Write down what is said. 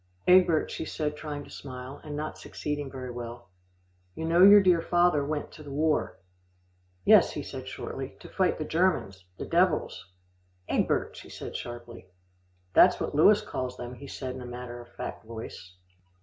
"Egbert," she said trying to smile, and not succeeding very well, "you know your dear father went to the war." "Yes," he said shortly, "to fight the Germans the devils." "Egbert," she said sharply. "That's what Louis calls them," he said in a matter of fact voice.